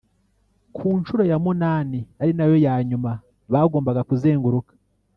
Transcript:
Ku nshuro ya munani ari nayo ya nyuma bagombaga kuzenguruka